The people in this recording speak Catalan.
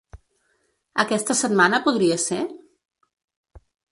Aquesta setmana podria ser?